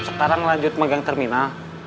sekarang lanjut megang terminal